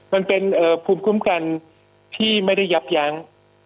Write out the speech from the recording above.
มันเป็นภูมิคุ้มกันที่ไม่ได้ยับยั้ง